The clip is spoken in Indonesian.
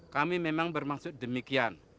kami memang bermaksud demikian